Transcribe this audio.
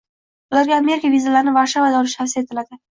Ularga Amerika vizalarini Varshavada olish tavsiya etildi